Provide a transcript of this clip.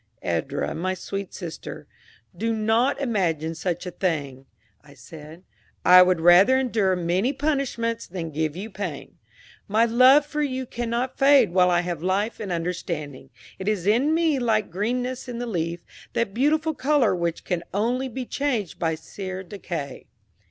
"Edra, my sweet sister, do not imagine such a thing!" I said. "I would rather endure many punishments than give you pain. My love for you cannot fade while I have life and understanding. It is in me like greenness in the leaf that beautiful color which can only be changed by sere decay."